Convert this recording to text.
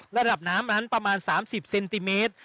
ระดับน้ำนั้นประมาณ๓๐เซนติเมตร